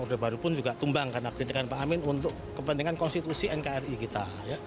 orde baru pun juga tumbang karena kritikan pak amin untuk kepentingan konstitusi nkri kita